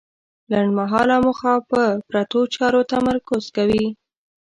لنډمهاله موخه په پرتو چارو تمرکز کوي.